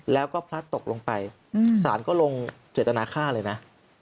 แล้วก็พลัดตกลงไปสารก็ลงเจตนาฆ่าเลยนะ